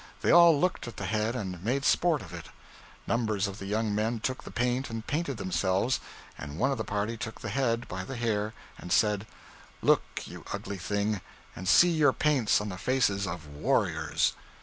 They all looked at the head and made sport of it. Numbers of the young men took the paint and painted themselves, and one of the party took the head by the hair and said 'Look, you ugly thing, and see your paints on the faces of warriors.'